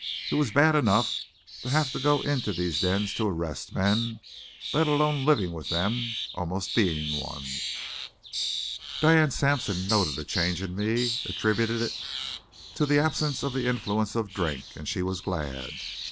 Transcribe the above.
It was bad enough to have to go into these dens to arrest men, let alone living with them, almost being one. Diane Sampson noted a change in me, attributed it to the absence of the influence of drink, and she was glad.